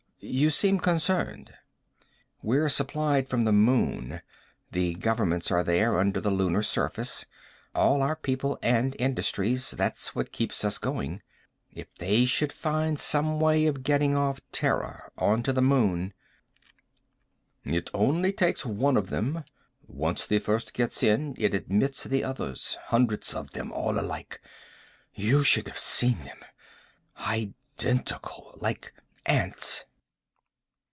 You seem concerned." "We're supplied from the moon. The governments are there, under the lunar surface. All our people and industries. That's what keeps us going. If they should find some way of getting off Terra, onto the moon " "It only takes one of them. Once the first one gets in it admits the others. Hundreds of them, all alike. You should have seen them. Identical. Like ants."